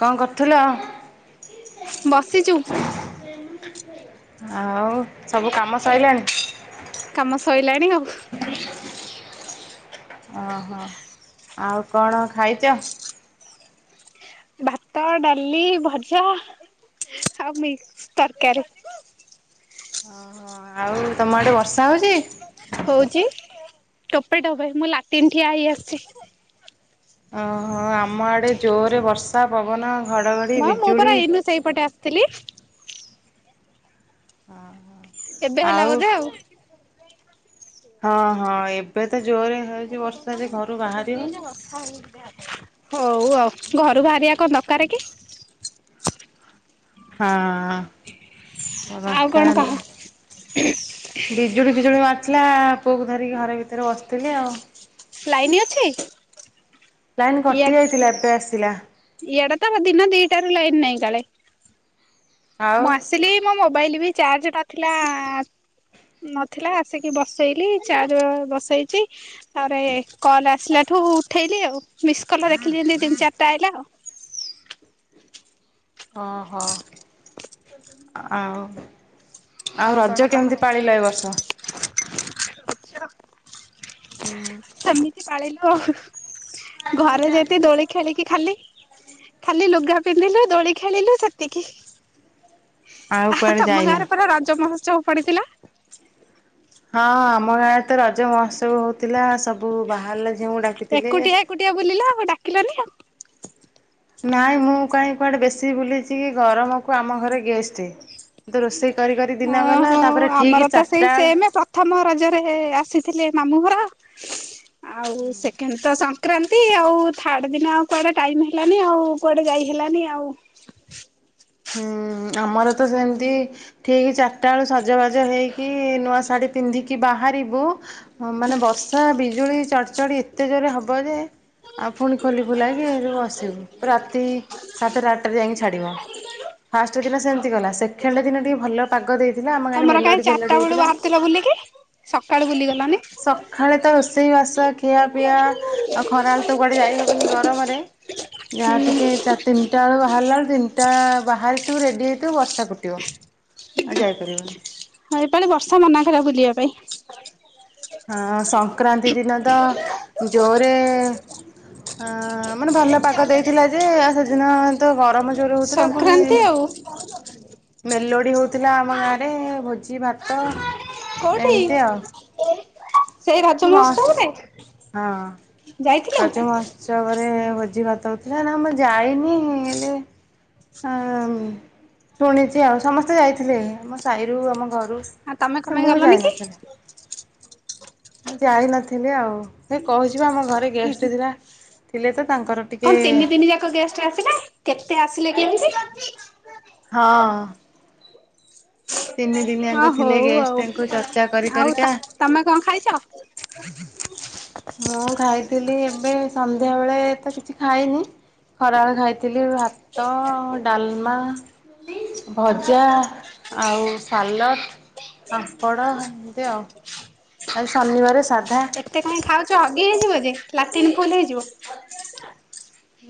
କଣ କରୁଥିଲ? ବସିଚୁ। ଆଉ ସବୁ କାମ ସଇଲାଣି? କାମ ସୋଇଲାଣି ଆଉ ଓହୋ ଆଉ କଣ ଖାଇଛ? ଭାତ ଡାଲି ଭଜା ଆଉ ମିକ୍ସ ତରକାରୀ। ଓ ହ ଆଉ ତମ ଆଡେ ବର୍ଷା ହଉଛି? ହଉଛି ଟୋପେ ଟୋପେ ମୁଁ ଲାଟିନ ଠିଆ ହେଇ ଆସଛି। ଓହୋ ଆମ ଆଡେ ଜୋରରେ ବର୍ଷା ପବନ ଘଡ଼ଘଡ଼ି ମା ମୁଁ ବିଜୁଳି ପରା ଏଇନୁ ସେଇପଟେ ଆସିଥିଲି। ହଁ ହଁ। ଏବେ ହେଲା ବୋଧେ ଆଉ ହଁ ହଁ ଏବେ ତ ଜୋରରେ ହେଉଛି ତ କ ବର୍ଷା ଯେ ଘରୁ କତେ ବାହାରି ଦ ହଉନି। ଯ [inaudible] ହଉ ଆଉ ଘରୁ ବାହାରିବା କଣ ଦରକାର କି? ହଁ। ହଁ ଆଉ କଣ କହ ଦର ବିିଜଳି ବିିଜୁଳି ମା। ପୁଅକୁ ଧରିକି ଘରେ ଭିତରେ ବସିଥିଲି ଆଉ। ଲାଇନ ଅଛି? ଲାଇନ କଟି ଯାଇଥିଲା ଏବେ ଆସିଲା। ଇଆଡ଼େ ଇଆଡେ ତ ଦିନ ଦିଟାରୁ ଲାଇନ ନାଇଁ କାଳେ। ଆଉ ମୁଁ ଆସିଲି ମୋ ମୋବାଇଲ ବି ଚାର୍ଜ ନଥିଲା ନଥିଲା ଆସିକି ବସେଇଲି ଚାଜ ବସେଇଚି ତାରେ କଲ ଆସିଲା ଠୁ ଉଠେଇଲି ଆଉ ମିସ୍ କଲ ଦେଖିଲି ଯେମିତି ତିନି ଚାରିଟା ଆଇଲା ଆଉ। [inaudible] ହଁ ହୋ ଆଉ ଆଉ କଣ ରଜ କହ କେମିତି ପାଳିଲ ଏ ବର୍ଷ? ହୁଁ ସେମିତି ପାଳିଲୁ ଆଉ। ଘରେ ଯେତି ଦୋଳି ଖେଳିକି ଖାଲି ଖାଲି ଲୁଗା ପିନ୍ଧିଲୁ ଦୋଳି ଖେଳିଲୁ ସେତିକି। ଆଉ କୁଆଡେ ଯାଇନା। ରଜମହସ୍ୱାବ ପଡିଥିଲା। ହଁ ଆମ ଗାଁରେ ତ ରଜ ମହୋତ୍ସବ ହଉଥିଲା ସବୁ ବାହାରିଲେ ଏକୁଟିଆ ଏକୁଟିଆ ବୁଲିଲ ଆଉ ଡାକିଲନି ଆଉ। ନାଇଁ ମୁଁ କାହିଁ କୁଆଡେ ବେଶୀ ଭୁଲିଛି କି ଗରମକୁ ଆମ ଘରେ ଗେଷ୍ଟ କିନ୍ତୁ ରୋଷେଇ କରି କରି ଦିନ ଓ ଗଲା ହୋ ତାପରେ ଠିକ ଆମର ତ ସେଇ ଚାରିଟା ବେଳ ସେମ ପ୍ରଥମ ରଜରେ ଆସି ଥିଲେ ମାମୁଁ ଘର ଆଉ ସେକେଣ୍ଡ ତ ସଂକ୍ରାନ୍ତି ଆଉ ଥାର୍ଡ ଦିନ ଆଉ କୁଆଡେ ଟାଇମ ହେଲାନି ଆଉ କୁଆଡେ ଯାଇ ହେଲାନି ଆଉ। ହୁଁ। ଆମର ତ ସେମିତି ଠିକ ଚାରିଟା ବେଲୁ ସଜବାଜ ହେଇକି ନୂଆ ଶାଢୀ ପିନ୍ଧିକି ବା ବାହାରିବୁ ହୁଁ ମାନେ ବର୍ଷା ବିଜୁଳି ଚଡ଼ ଚଡି ଏତେ ଜୋରେ ହବ ଯେ ଆଉ ପୁଣି ଖୋଲି ଖୋଲାଇକି ଏ ବସିବୁ ରାତି ସାତଟା ଆଠଟାରେ ଯାଇକି ଛାଡ଼ିବ। ଫାଷ୍ଟ ଦିନ ସେମିତି ଗଲା ସେକେଣ୍ଡ ଦିନ ଟିକେ ଭଲ ପାଗ ଦେଇ ଥିଲା ଆମ ଗାଁରେ ତମର କାହିଁ ମେଲୋଡି ଚାରିଟା ଫେଲୋଡି ବେଳୁ ହେଇଥିଲା ବାହାରିଥିଲ ବୁଲିକି ସକାଳୁ ବୁଲି ଗଲନି । ସଖାଳେ ତ ରୋଷେଇବାସ ଖିଆ ପିଆ ଆଉ ଖରାଳେ ତ କୁଆଡେ ଯାଇ ହବନି ଗରମରେ । ଯାହା ହୁଁ ଟିକେ ଚା ତିନିଟା ବେଳ ବାହାରିଲା ବେଳେ ତିନିଟା ବାହାରିଥିବୁ ରେଡି ହେଇଥିବୁ ବର୍ଷା । ହଁ ଏଇପାଲି ବର୍ଷା ମନା କଲା ବୁଲିବା ପାଇଁ । ହଁ ସଂକ୍ରାନ୍ତି ଦିନ ତ ଜୋରେ ଅ ମାନେ ଭଲ ପାଗ ଦେଇଥିଲା ଯେ ଆଉ ସେଦିନ ତ ଗରମ ଜୋର ହଉଥିଲା ପୁଣି ସଂକ୍ରାନ୍ତି ଆଉ । ମେଲୋଡ଼ି ହେଉଥିଲା ଆମ ଗାଁରେ ଭୋଜି ଭାତ । କଉଠି? ମାସ ହଁ ଯାଇଥିଲୁ ଆଜି ମୋହତ୍ସବ ରେ ଭୋଜି ଭାତ ହଉଥିଲା ନା ମୁଁ ଯାଇନି ହେଲେ ଆଁ ମ୍ ଶୁଣିଛି ଆଉ ସମସ୍ତେ ଯାଇଥିଲେ ଆମ ସାହିରୁ ଆମ ଘରୁ ଆଉ ତମେ କଣ ପାଇଁ ମୁଁ ଗଲନି କି ଯାଇନଥିଲି ମୁଁ ଯାଇନଥିଲି ଆଉ ହେ କହୁଛି ଆମ ଘରେ ହୁଁ ହୁଁ ଗେଷ୍ଟ ଥିଲା। ଥିଲେ ତ ତାଙ୍କର ଟିକେ କଣ ତିନି ଦିନି ଯାକ ଗେଷ୍ଟ ଆସିଲେ କେତେ ଆସିଲେ କି ଏମିତି? ହଁ । ତିନି ହଁ ଦିନିଆଙ୍କ ଥିଲେ ହଉ ଆଉ ଗେଷ୍ଟଙ୍କୁ ଚର୍ଚ୍ଚା କରି ଆଉ କରିିକା ତମେ କଣ ଖାଇଛ ମୁଁ ଖାଇଥିଲି ଏବେ ସନ୍ଧ୍ୟାବେଳେ ଳେ ତ କିଛି ଖାଇନି ଖରାବେଳ ଖାଇଥିଲି ଭାତ, ଡାଲମା, ଭଜା ଆଉ ସାଲଟ୍, ପାମ୍ପଡ଼ ଏମିତି ଆଉ ଆଜି ଶନିବାରେ ସା ଏତେ କାହିଁ ଖାଉଛ ହଗି ହେଇଯିବ ଯେ ଲାଟିନ ଫୁଲ ହେଇଯିବ।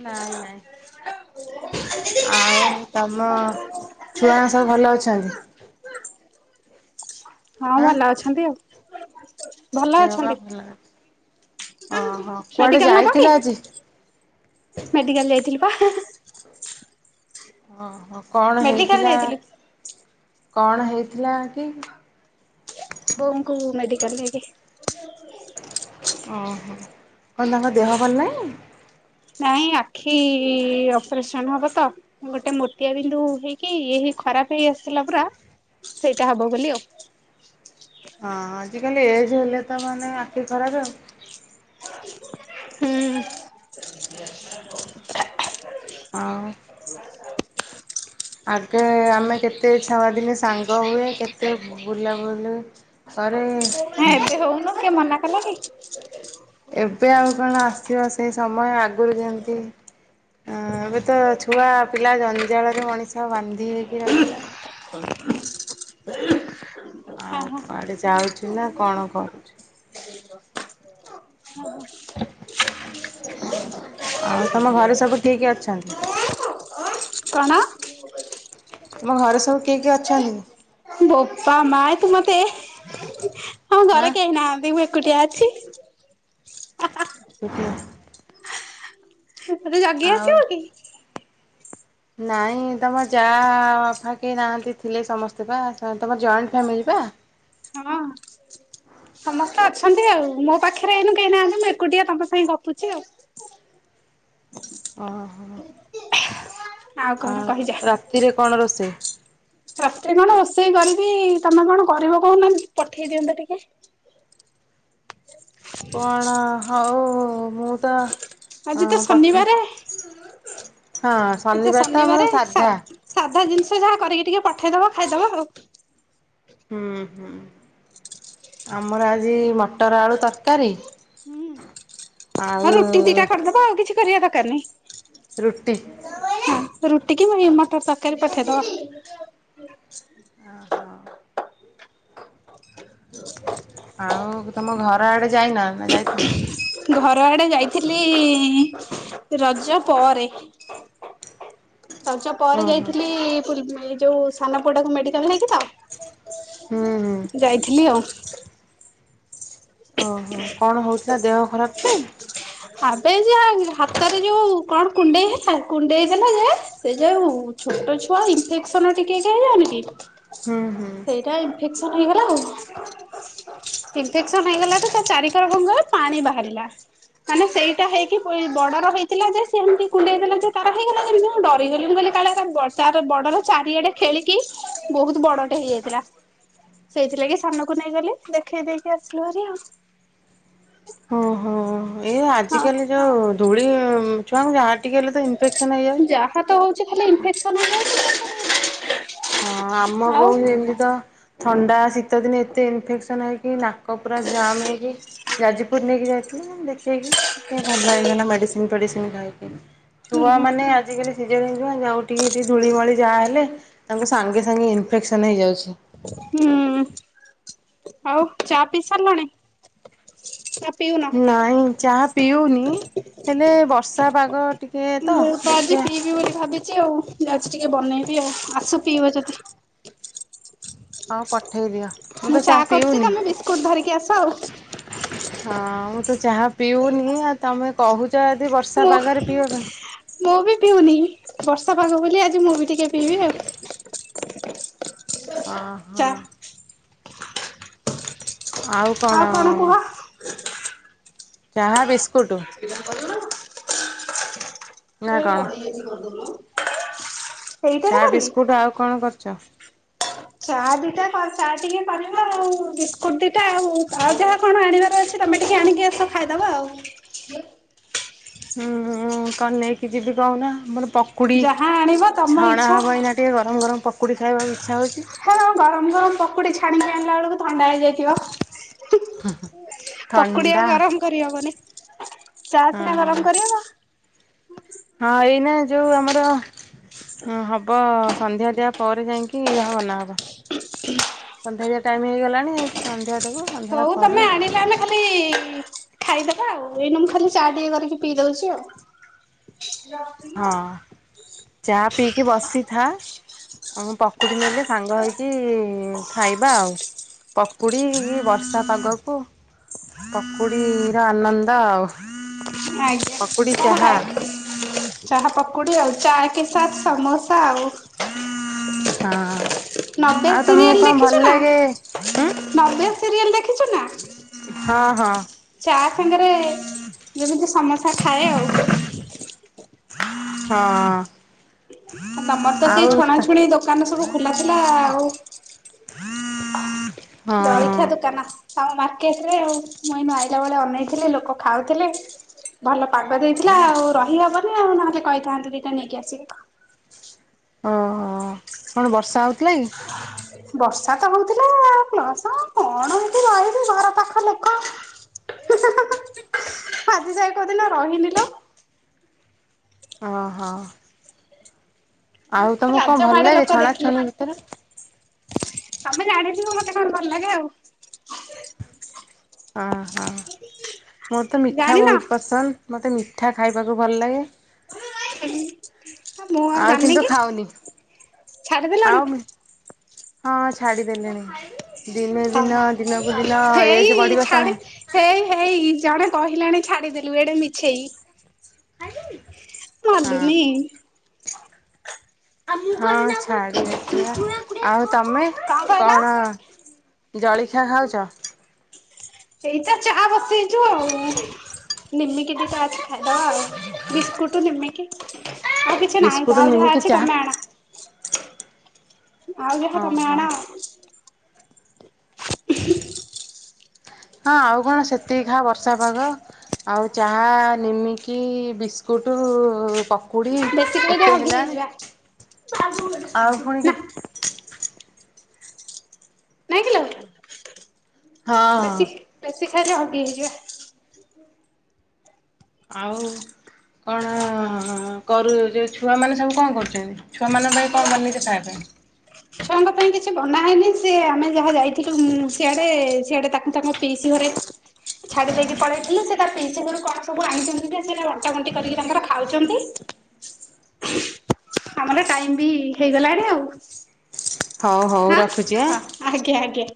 ନାଇଁ ନାଇଁ ଆଉ ତମ ଛୁଆ ସବୁ ଭଲ ଅଛନ୍ତି? ହଁ ଆଁ ଭଲ ଅଛନ୍ତି ଆଉ । ଦେହ ପା ଭଲ ଅଛି ଓହୋ କୁଆଡେ ମେଡିକାଲ୍ ନବ ଯାଇଥିଲ କି ଆଜି? ମେଡିକାଲ୍ ଯାଇଥିଲି ପା। ଓ ହୋ କଣ ମେଡିକାଲ ହେଇଥିଲା? ଯାଇଥିଲି। କଣ ହେଇଥିଲା କି? ବଉଙ୍କୁ ମେଡିକାଲ୍ ନେଇକି ଓହୋ କଣ ତାଙ୍କ ଦେହ ଭଲ ନାହିଁ? ନାଇଁ ଆଖି ଅପରେସନ ହବ ତ ଗୋଟେ ମୋତିଆ ବିନ୍ଦୁ ହେଇକି ଇଏ ଖରାପ ହେଇ ଆସିଥିଲା ପୁରା ସେଇଟା ହବ ବୋଲି ଆଉ। ହଁ ଆଜିକାଲି ଏଜ୍ ହେଲେ ତ ମାନେ ଆଖି ଖରାପ୍ ଆଉ । ହୁଁ। ଆଉ। ଆଗେ ଆମେ କେତେ ଛଆଦିନେ ସାଙ୍ଗ ହୁଏ କେତେ ବୁଲାବୁଲି ଘରେ ଏବେ ହଉନୁ କିଏ ମନା କଲା କି? ଏବେ ଆଉ କଣ ଆସିବ ସେଇ ସମୟ ଆଗରୁ ଯେମତି ହ ଏବେ ତ ଛୁଆ ପିଲା ଜଞ୍ଜାଳରେ ମଣିଷ ବାନ୍ଧି ହେଇକି ରହିଗଲା। [inaudible] ହଁ ଆଉ ହଁ କୁଆଡେ ଯାଉଚୁ ନା କଣ କରୁଚୁ। [inaudible] [inaudible] ଆଉ ତମ ଘରେ ସବୁ କିଏ କିଏ ଅଛନ୍ତି? କଣ? ତମ ଘରେ ସବୁ କିଏ କିଏ ଅଛନ୍ତି? ବୋପା ମା ତୁ ମୋତେ ଆମ ହାଁ ଘରେ କେହି ନାହାନ୍ତି ମୁଁ ଏ କୁଟିଆ ଅଛି । ରା ମତେ ଜଗି ଆସିବୁ କି? ନାଇଁ ତମ ଯା ଫା କେହି ନାହାନ୍ତି ଥିଲେ ସମସ୍ତେ ବା ତ ତମ ଜଏଣ୍ଟ ଫ୍ୟାମିଲି ପା? ହଁ ବା ସମସ୍ତେ ଅଛନ୍ତି ଆଉ ମୋ ପାଖରେ ଏଇନୁ କେହି ନାହାନ୍ତି ମୁଁ ଏକୁଟିଆ ତମ ସାଙ୍ଗେ ଗପୁଚି ଆଉ। ଓ ହୋ। କଣ ଆଉ, କହିଯା। ରାତିରେ କଣ ରୋଷେଇ? ରାତିରେ କଣ ରୋଷେଇ କରିବି, ତମେ କଣ କରିବ କହୁନ ପଠେଇ ଦିଅନ୍ତ ଟିକେ। କଣ ହଉ ମୁଁ ତ ଆଜି ତ ହଁ ପଠେଇ ଶନିବାରେ ହଁ ଆଜି ତ ଶନିବାର ଆମର ଶନିବାରେ ସାଧା। ସାଧ ସାଧା ଜିନିଷ ଯାହା କରିକି ଟିକେ ପଠେଇଦବ ଖାଇଦବା ଆଉ। ହୁଁ ହୁଁ। ଆମର ଆଜି ମଟର ଆଳୁ ତରକାରୀ ହୁଁ। ଆଉ ହଁ ରୁଟି ଦିଟା କରିଦବ ଆଉ କିଛି କରିଆ ଦରକାର ନାହିଁ। ରୁଟି। ରୁଟି କି ଏହି ମଟର ତରକାରୀ ପଠେଇ ଦବ। ଓହୋ। ଆଉ ତମ ଘର ଆଡେ ଯାଇନ ନା ଯାଇଥିଲ? ଘର ଆଡେ ଯାଇଥିଲି, ରଜ ପରେ। ରଜ ପରେ ଓହୋ ଯାଇଥିଲି ପୁରୀ ବୁଲି ଏ ଯୋଉ ସାନ ପୁଅଟାକୁ ମେଡିକାଲ ନେଇକି ତ ହୁଁ ହୁଁ ଯାଇଥିଲି ଆଉ। ଓହୋ କଣ ହଉଥିଲା ଦେହ ଖରାପ ପାଇଁ? ଆବେ ଯା ହାତରେ ଯୋଉ କଣ କୁଣ୍ଡେଇ ହେଲା କୁଣ୍ଡେଇଦେଲା ଯେ ସେ ଯୋଉ ଛୋଟ ଛୁଆ ଇନଫେକ୍ସନ ଟିକେ ହେଇଯାଏନି କି ହୁଁ ହୁଁ। ସେଇଟା ଇନଫେକ୍ସ୍ ହେଇଗଲା ଆଉ। ଇନଫେକ୍ସନ ହେଇଗଲା ତ ତା ଚାରିିକର କଣ କହ ପାଣି ବାହାରିଲା। ମାନେ ସେଇଟା ହେଇକି ପୁଣି ବଡର ହେଇଥିଲା ଯେ ସେ ଏମତି କୁଣ୍ଡେଇ ଦେଲା ଯେ ତାର ହେଇଗଲା ଯେମିତି ମୁଁ ଡରିଗଲି ମୁଁ କହିଲି କା ହେଲା ତାର ବର୍ଷ ତାର ବଡର ଚାରିଆଡେ ଖେଳିକି ବହୁତ ବଡଟେ ହେଇଯାଇଥିଲା। ସେଇଥିଲାଗି ସାନକୁ ନେଇଗଲି ଦେଖେଇ ଦେଇକି ଆସିଲୁ ଭାରି ଆଉ। ଓହୋ। ଏଇ ଆଜିକାଲି ହଁ। ଯୋଉ ଧୂଳି ଛୁଆଙ୍କୁ ଯାହା ଟିକେ ହେଲେ ତ ଇନଫେକ୍ସନ ହେଇଯାଉଛି। ଯାହା ତ ହଉଛି ଖାଲି ଇନଫେକ୍ସନ ହେଇଯାଉଛି। ହଁ ଆମ ଆଉ ବୋଉ ଏମତି ତ ଥଣ୍ଡା ଶୀତ ଦିନେ ଏତେ ଇନଫେକ୍ସନ ହେଇକି ନା କ ପୁରା ଜାମ୍ ହେଇକି ଯାଜପୁର ନେଇକି ଯାଇଥିଲୁ, ଦେଖେଇକି ଟିକେ ଭଲ ହେଇଗଲା ମେଡ଼ିସିନ ମେଡ଼ିସିନ୍ ଖାଇକି। ହୁଁ ହୁଁ। ଛୁଆମାନେ ଆଜିକାଲି ସିଜିନ ହେଇଚି ଯେଉଁଠିକି ଠି ଧୂଳି ମଳି ଯାହା ହେଲେ ତାଙ୍କୁ ସାଙ୍ଗେ ସାଙ୍ଗେ ଇନଫେକ୍ସନ ହେଇଯାଉଛି। ହୁଁ। ଆଉ ଚା ପିଇ ସାରିଲଣି? ପିଉନ? ନାଇଁ ଚାହା ପିଉନି ହେଲେ ବର୍ଷା ପାଗ ଟିକେ ତ ଦେଖିଆ। ଚି ଆଉ ଯାଉଚି ଟିକେ ବନେଇବି ଆଉ ଆସ ପିଇବ ଯଦି। ହଁ ପଠେଇ ଦିଅ ମୁଁ ତ ଚା କରୁଛି ପିଉନି। ତମେ ବିସ୍କୁଟ ଧରିକି ଆସ ଆଉ ହଁ ମୁଁ ତ ଚାହା ପିଉନି ଆଉ ତମେ କହୁ ଚ ଯଦି ବର୍ଷା ମୁଁ ପାଗରେ ପିଇବା ପାଇଁ ମୁଁ ବି ପିଉନି, ବର୍ଷା ପାଗ ବୋଲି ଆଜି ମୁଁ ବି ଟିକେ ପିଇବି ଆଉ। ଅଁ ହଁ। ଚା ଆଉ କଣ କୁହ? ଚାହା ବିସ୍କ [unintelligible] [inaudible] ନା କଣ? ସେଇଟାରେ ଚା କରିବି? ବିସ୍କୁଟ ଆଉ ହଁ। କଣ କରୁଛ? ଚା ଦିଟା କର୍ ଚା ଟିକେ କରିବା ଆଉ। ବିସ୍କୁଟ ଦିଟା ଆଉ ଆଉ ଯାହା କଣ ଆଣିବାର ଅଛି ତମେ ଟିକେ ଆଣିକି ଆସ ଖାଇଦବା ଆଉ। ହୁଁ ହୁଁ କଣ ନେଇକି ଯିବି କହୁନ? ଆମର ପକୁଡ଼ି ଯାହା ଆଣିବ ତମ ଛଣା ଇଚ୍ଛା। ହେବ ଏଇନା ଟିକେ ଗରମ ଗରମ ପକୁଡ଼ି ଖାଇବାକୁ ଇଚ୍ଛା ହଉଛି। ତମ ଗରମ ଗରମ ପକୁଡି ଛାଣିକି ଆଣିଲା ବେଳକୁ ଥଣ୍ଡା ହେଇଯାଇଥିବ। ପକୁଡି ଆଉ ଥଣ୍ଡା ଗରମ କରିହବନେଇ। ଚା ସିନା ହଁ ଗରମ କରିହବ ହଁ ଏଇନା ଯୋଉ ଆମର ହଁ ହବ ସନ୍ଧ୍ୟା ଦିଆ ପରେ ଯାଇଁକି ଯା ବନା ହବ। ଅନ୍ଧାରିଆ ଟାଇମ ହେଇଗଲାଣି ସନ୍ଧ୍ୟା ଦେବୁ ସନ୍ଧ୍ୟା ହଉ ପରେ ତମେ ଆଣିଲେ ଆମେଖାଲି ଖାଇଦବା ଆଉ ଏଇନା ମୁ ଖାଲି ଚା ଟିକେ କରିକି ପିଇ ଦଉଛି ଆଉ। ହଁ। ଚା ପିଇକି ବସିଥା। ଆଉ ମୁଁ ପକୁଡି ନେଲେ ସାଙ୍ଗ ହେଇକି ଖାଇବା ଆଉ ପକୁଡ଼ି ବର୍ଷା ପାଗକୁ ପକୁଡିର ଆନନ୍ଦ ଆଉ। ଆଜ୍ଞା। ପକୁଡ଼ି କଣ ଚାହା ଭାଇ? ଚାହା ପକୁଡ଼ି ଆଉ। ଚା କେ ସାଥ ସମୋସା ଆଉ। ହଁ ନବେ ଆଉ ତମକୁ ସିରିଏଲ କଣ ଭଲ ଦେଖିଛୁ ନା? ଲାଗେ? ହୁଁ ନବେ ସିରିଏଲ ଦେ ଦେଖିଛୁ ନା? ହଁ ହଁ। ଚା ସାଙ୍ଗରେ ଯେମିତି ସମସା ଖାଏ ଆଉ। ହଁ। ଆଉ ତମର ତ ଆଉ ସେଇ ଛଣାଛୁଣି ଦୋକାନ ସବୁ ଖୋଲା ଥିଲା ଆଉ ହଁ ଜଳଖିଆ ଦୁକାନ ଆଉ ମାର୍କେଟରେ ଆଉ। ମୁଁ ଏଇନା ଆଇଲା ବେଳେ ଅନେଇଥିଲି ଲୋକ ଖାଉଥିଲେ ଭଲ ପାଗ ଦେଇଥିଲା, ଆଉ ରହିହବନି ଆଉ ନହେଲେ କହିଥାନ୍ତୁ ଦିଟା ନେଇକି ଆସିବେ। ଓହୋ କଣ ବର୍ଷା ହଉଥିଲା କି? ବର୍ଷା ତ ହଉଥିଲା ପ୍ଲସ କଣ ଏଠି ରହିବି ଘର ପାଖ ଲୋକ ଆଜି ଯାଏ କଉଦିନ ରହିନି ଲୋ। ଓ ହୋ! ଆଉ ତମକୁ କଣ ଲାଜ ଭଲ ମାଡେ ଲାଗେ ଲୋକ ଦେଖିଲେ ଛଣାଛଣା ଭିତରେ? ତମେ ଜାଣିଥିବ ମତେ କଣ ଭଲ ଲାଗେ ଆଉ। ଅହ ମୋର ତ ମିଠା ଜାଣିନ ବହୁତ ପସନ୍ଦ। ମତେ ମି ଠା ଖାଇବାକୁ ଭଲ ଲାଗେ। [inaudible] ହ ମୁଁ ଆଉ ଜାଣିନି କିନ୍ତୁ କି? ଖାଉନି ଛାଡିଦେଲାଣି? ଆଉ ହଁ ଛାଡିଦେଲେଣି। ଦିନେ ହଁ ଦିନ ଦିନକୁ ଦିନ ଏଜ୍ ହେଇ ବଢିବ ସା ଛାଡେ ହେଇ ହେଇ ଜଣେ କହିଲାଣି ଛାଡିଦେଲୁ ଏଡେ ମିଛେଇ। ଖାଇଲୁଣି? ମଲୁନି। ହଁ ଛାଡିଦେଖିବା। ଆଉ ତମେ କଣ ଜଳିଖିଆ ଖାଉଛ? ଏଇତ ଚା ବସେଇଛୁ ଆଉ। ନିମିକି ଦିତା ଖାଇଦବା ଆଉ। ବିସ୍କୁଟ ନିମିକି ଆଉ କିଛି ନାହିଁ ତ, ବିସ୍କୁଟ ଆଉ ଯାହା ନିମିକି ଅଛି ଚାହା ତମେ ଆଣ ଆଉଯାହା ତମେ ଓହୋ ଆଣ। ହଁ। ଆଉ କଣ ସେତିକି ଖା ବର୍ଷା ପାଗ ଆଉ ଚାହା, ନିମିକି, ବିସ୍କୁଟ, ପ କୁଡି ବେଶୀ ଖାଇଲେ ଏତେ ହଗି ହେଲାଣି। ହେଇଯିବା ଆଉ ନା ପୁଣିକ। ନାଇଁ କିଲୋ ହଁ। ବେଶି ଖାଇଲେ ହଗି ହେଇଯିବି, ବା। ଆଉ। କଣ ଅ, ଅ, ଅ, ଅ, କରୁ ଯେ ଛୁଆମାନେ ସବୁ କଣ କରୁଚନ୍ତି ଛୁଆମାନଙ୍କ ପାଇଁ କଣ ବନେଇଚ ଖାଇବା ପାଇଁ। ଛୁଆଙ୍କ ତାଙ୍କ ପାଇଁ କିଛି ବନା ହେଇନି ସେ ଆମେ ଯାହା ଯାଇଥିଲୁ ଉ ସିଆଡେ ସିଆଡେ ତାଙ୍କୁ ତାଙ୍କ ପିସୀ ଘରେ ଛାଡ଼ି ଦେଇକି ପଳେଇଥିଲେ ସେ ତା ପିଉସୀ ଘରୁ କଣ ସବୁ ଆଣିଛନ୍ତି ଯେ ସେରା ବଣ୍ଟା ବଣ୍ଟି କରିକି ତାଙ୍କର ଖାଉଛନ୍ତି। [inaudible] ଆମର ଟାଇମି ବି ହେଇଗଲାଣି ଆଉ। ହଉ ହଉ ହା ରଖୁଛି ଆଁ। ହଁ ଆଜ୍ଞା ଆଜ୍ଞା।